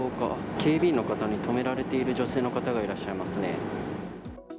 警備員の方に止められている女性の方がいらっしゃいますね。